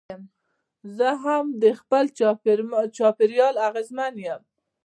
زه هم د خپل چاپېریال اغېزمن یم.